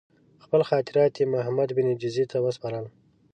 خپل خاطرات یې محمدبن جزي ته وسپارل.